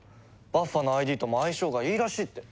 バッファのＩＤとも相性がいいらしいって。